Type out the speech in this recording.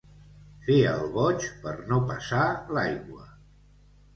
Fer el boig per no passar l'aigua.